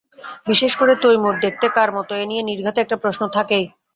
বিশেষ করে তৈমুর দেখতে কার মতো এ নিয়ে নির্ঘাত একটা প্রশ্ন থাকেই।